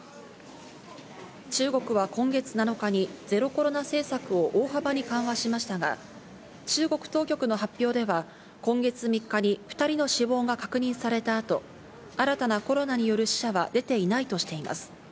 中国は今月７日にゼロコロナ政策を大幅に緩和しましたが、中国当局の発表では今月３日に２人の死亡が確認された後、新たなコロナによる死者は出ていないとしています。